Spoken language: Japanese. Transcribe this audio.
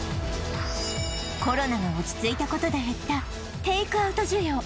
コロナが落ち着いたことで減ったテイクアウト需要